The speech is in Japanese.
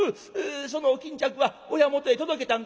そのお巾着は親元へ届けたんか？」。